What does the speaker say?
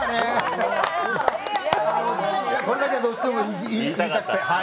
これだけはどうしても言いたくて。